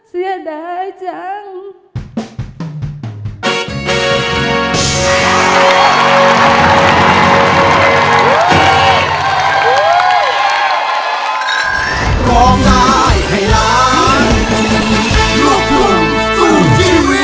เฮ้ยเสียดายจัง